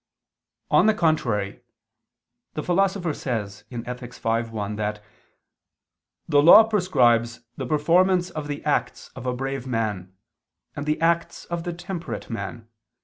On the contrary, The Philosopher says (Ethic. v, 1) that the law "prescribes the performance of the acts of a brave man ... and the acts of the temperate man